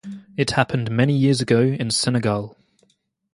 It happened many years ago in Senegal.